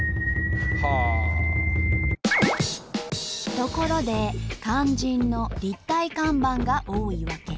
ところで肝心の立体看板が多い訳。